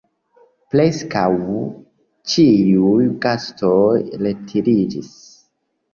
Preskaŭ ĉiuj gastoj retiriĝis.